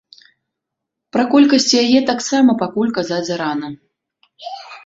Пра колькасць яе таксама пакуль казаць зарана.